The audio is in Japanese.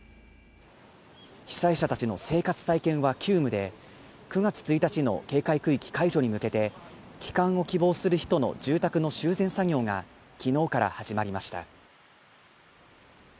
被災者たちの生活再建は急務で、９月１日の警戒区域解除に向けて帰還を希望する人の住宅の修繕作業が昨日から始まりました。